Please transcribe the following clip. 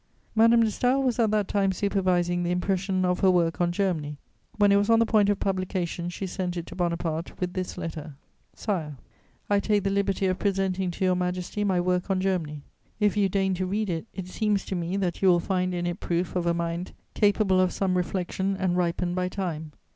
Madame de Staël was at that time supervising the impression of her work on Germany; when it was on the point of publication, she sent it to Bonaparte with this letter: [Sidenote: Madame de Staël to Napoleon.] "SIRE, "I take the liberty of presenting to Your Majesty my work on Germany. If you deign to read it, it seems to me that you will find in it proof of a mind capable of some reflection and ripened by time.